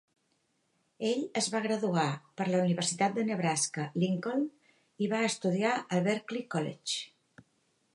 Ell es va graduar per la Universitat de Nebraska-Lincoln i va estudiar al Berklee College.